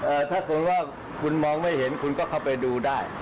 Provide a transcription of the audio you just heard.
ถ้าคุณว่าคุณมองไม่เห็นคุณก็เข้าไปดูได้